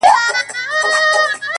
د وخت مجنون يم ليونى يمه زه-